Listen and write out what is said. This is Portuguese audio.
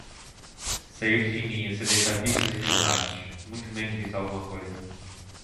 Saiu de fininho, sem deixar pistas e nem rastros. Muito menos disse alguma coisa